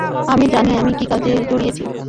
আমি জানি আমি কী কাজে জড়িয়েছি।